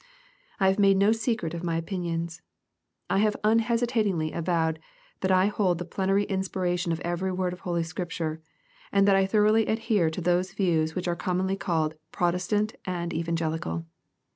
I have made no secret of my opinions. I have unhesitatingly avowed that I hold the plenary inspi ration of every word of Holy Scripture, and that I thoroughly adhere to those views which are commonly called Protestant and Evangelical.